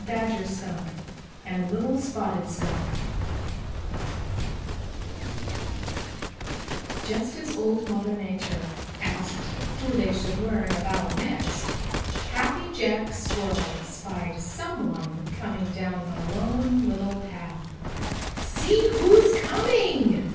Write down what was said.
CHAPTER XXII An Independent Family Just as Old Mother Nature asked who they should learn about next, Happy Jack Squirrel spied some one coming down the Lone Little Path. "See who's coming!"